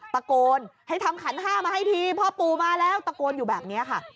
ตะโกนให้ทำขันห้ามาให้ทีพ่อปู่มาแล้วตะโกนอยู่แบบนี้ค่ะ